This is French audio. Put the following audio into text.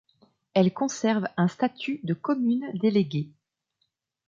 Elle conserve un statut de commune déléguée.